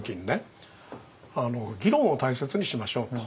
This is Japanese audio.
議論を大切にしましょうと。